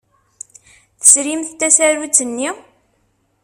Tesrimt tasarut-nni?